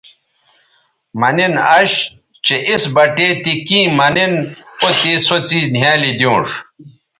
مہ نِن اش چہء اِس بٹے تی کیں مہ نِن او تے سو څیز نِھیالی دیونݜ